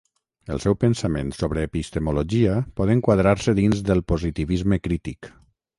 El seu pensament sobre epistemologia pot enquadrar-se dins del positivisme crític.